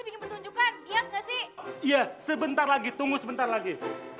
iya sebentar lagi tunggu sebentar lagi